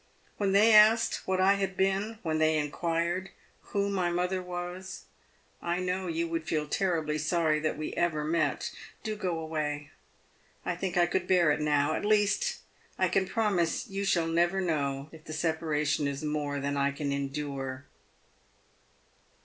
When they asked what I had been — when they inquired who my mother was — I know you would feel terribly sorry that we ever met. Do go away. I think I could bear it now — at least, I can promise you shall never know if the separation is more than I can endure."